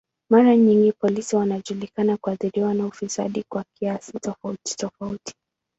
Mara nyingi polisi wanajulikana kuathiriwa na ufisadi kwa kiasi tofauti tofauti.